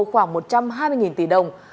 khoảng một trăm hai mươi tỷ đồng